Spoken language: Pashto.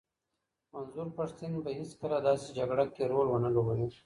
منظور پښتین به هیڅکله داسي جګړه کي رول ونه لوبوي.